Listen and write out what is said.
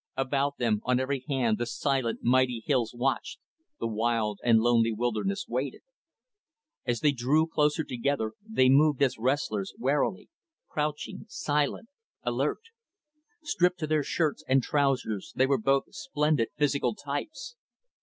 About them, on every hand, the silent, mighty hills watched the wild and lonely wilderness waited. As they drew closer together, they moved, as wrestlers, warily crouching, silent, alert. Stripped to their shirts and trousers, they were both splendid physical types.